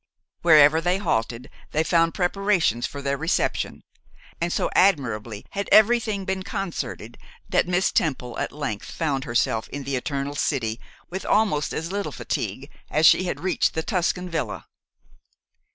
Wherever they halted they found preparations for their reception; and so admirably had everything been concerted, that Miss Temple at length found herself in the Eternal City with almost as little fatigue as she had reached the Tuscan villa.